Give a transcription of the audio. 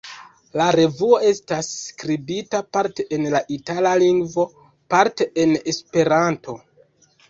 La revuo estas skribita parte en la Itala lingvo, parte en Esperanto.